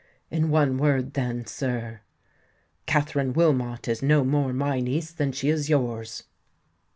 In one word, then, sir—Katherine Wilmot is no more my niece than she is yours."